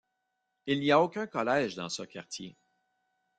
Il n'y a aucun collège dans ce quartier.